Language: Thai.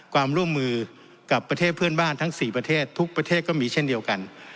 ความร่วมมือกับประเทศเพื่อนบ้านทั้ง๔ประเทศทุกประเทศก็มีเช่นเดียวกัน